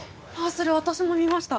それ私も見ました